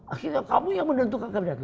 akhirnya kamu yang menentukan kerja